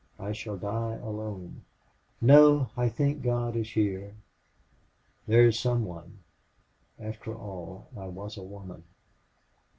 I shall die alone. No I think God is here. There is some one! After all, I was a woman.